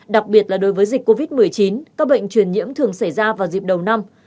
đặc biệt là đối với dịch covid một mươi chín các bệnh truyền nhiễm thường xảy ra vào dịp đầu năm